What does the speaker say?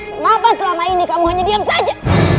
kenapa selama ini kamu hanya diam saja